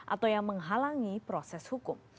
atau yang menghalangi proses hukum